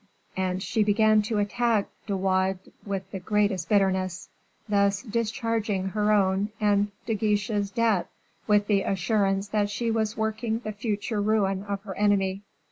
And she began to attack De Wardes with the greatest bitterness; thus discharging her own and De Guiche's debt, with the assurance that she was working the future ruin of her enemy.